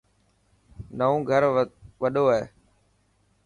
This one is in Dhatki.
نئوو گھر وڌو هي.